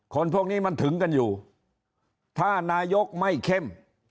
คนพวกนี้มันถึงกันอยู่ถ้านายกไม่เข้ม